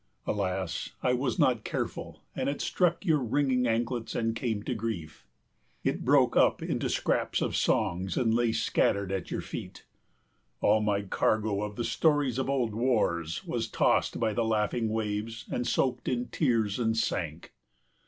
Alas, I was not careful, and it struck your ringing anklets and came to grief. It broke up into scraps of songs and lay scattered at your feet. All my cargo of the stories of old wars was tossed by the laughing waves and soaked in tears and sank.